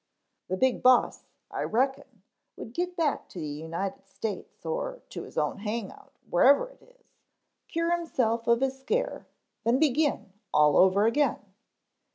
"The Big Boss, I reckon would get back to the United States, or to his own hangout, wherever it is, cure himself of his scare, then begin all over again.